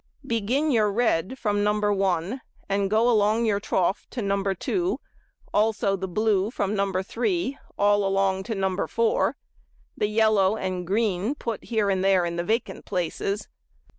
Begin your red from No. 1, and go along your trough to No. 2, also the blue from No. 3, all along to No. 4; the yellow and green put here and there in the vacant places.